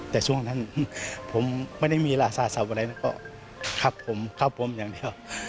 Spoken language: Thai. แต่ช่วงนั้นผมไม่ได้มีลาศาสตร์สำเร็จแล้วก็ครับผมครับผมอย่างเดียว